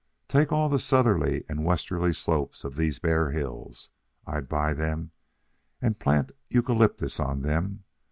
Take all the southerly and westerly slopes of these bare hills. I'd buy them in and plant eucalyptus on them.